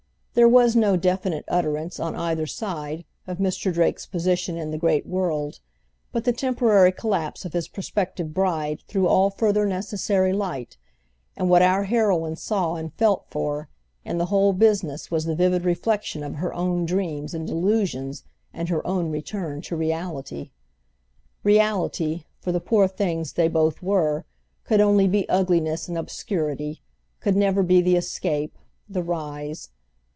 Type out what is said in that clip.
There was no definite utterance, on either side, of Mr. Drake's position in the great world, but the temporary collapse of his prospective bride threw all further necessary light; and what our heroine saw and felt for in the whole business was the vivid reflexion of her own dreams and delusions and her own return to reality. Reality, for the poor things they both were, could only be ugliness and obscurity, could never be the escape, the rise.